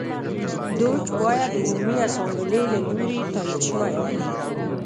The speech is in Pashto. دوج باید د عمومي اسامبلې له لوري تایید شوی وای